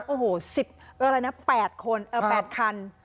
โอ้โห๑๐อะไรนะ๘คน๘คัน